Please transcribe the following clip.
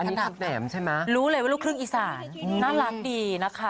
นางแหมใช่ไหมรู้เลยว่าลูกครึ่งอีสานน่ารักดีนะคะ